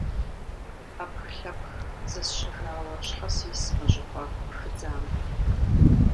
Ӏэпхлъэпх зысщӀыжауэ щхьэ сис мы щӀыпӀэ пхыдзам?